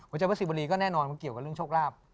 หัวใจพระศิวรีก็แน่นอนมันเกี่ยวกับเรื่องโชคลาภ